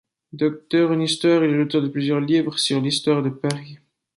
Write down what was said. Docteur en histoire, il est l'auteur de plusieurs livres sur l'histoire de Paris.